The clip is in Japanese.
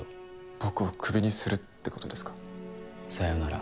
僕をクビにするってことですかさよなら